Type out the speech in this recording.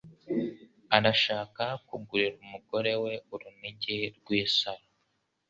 Arashaka kugurira umugore we urunigi rw'isaro